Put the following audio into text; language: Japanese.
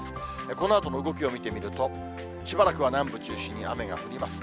このあとの動きを見てみると、しばらくは南部中心に雨が降ります。